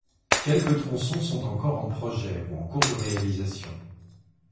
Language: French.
Quelques tronçons sont encore en projet ou en cours de réalisation.